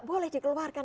ini boleh dikeluarkan